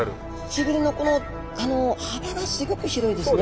背びれのこのあの幅がすギョく広いですね。